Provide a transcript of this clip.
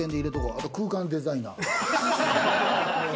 あと空間デザイナー。